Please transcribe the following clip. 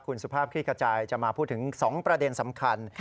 คุณสุภาพคลี่ขจายจะมาพูดถึง๒ประเด็นสำคัญ